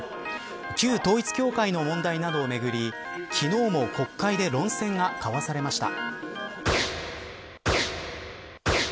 旧統一教会の問題などをめぐり昨日も国会で論戦が交わされました。